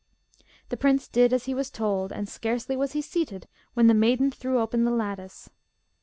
The prince did as he was told, and scarcely was he seated when the maiden threw open the lattice.